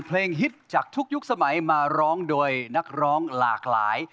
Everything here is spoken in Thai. ฮิตจากทุกยุคสมัยมาร้องโดยนักร้องหลากหลาย